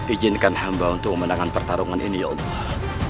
ijinkan hamba untuk menangan pertarungan ini ya allah